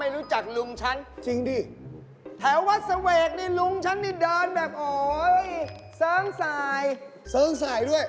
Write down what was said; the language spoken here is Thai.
ลุงฉันเนี่ยน้อย